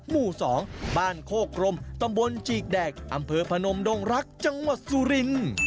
หมู่๒บ้านโคกรมตำบลจีกแดกอำเภอพนมดงรักจังหวัดสุรินทร์